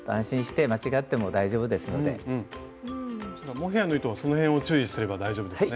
モヘアの糸はその辺を注意すれば大丈夫ですね。